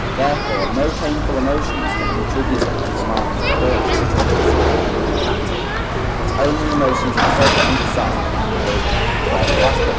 therefore, no painful emotions can be attributed to the mind in virtue of its being active, but only emotions of pleasure and desire, which (by the last Prop.)